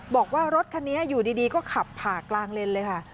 บอกว่ารถคันนี้อยู่ดีก็ขับผ่ากลางเลนเลยค่ะ